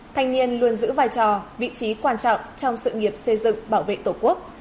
thanh niên luôn giữ vai trò vị trí quan trọng trong sự nghiệp xây dựng bảo vệ tổ quốc